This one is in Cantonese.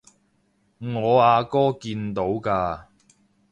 我阿哥見到㗎